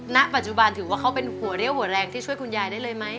ณปัจจุบันถือว่าเขาเป็นหัวเรี่ยวหัวแรงที่ช่วยคุณยายได้เลยไหม